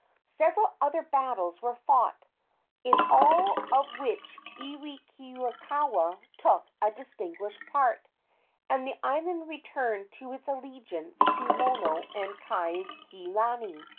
Several other battles were fought, in all of which Iwikauikaua took a distinguished part, and the island returned to its allegiance to Lono and Kaikilani.